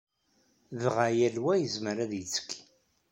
Dɣa yal wa yezmer ad yettekki.